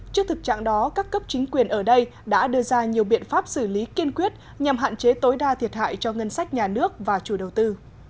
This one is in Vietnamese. trước thực trạng đó các cấp chính quyền ở đây đã đưa ra nhiều biện pháp xử lý kiên quyết nhằm hạn chế tối đa thiệt hại cho ngân sách nhà nước và chủ đầu tư